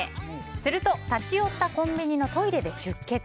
すると、立ち寄ったコンビニのトイレで出血。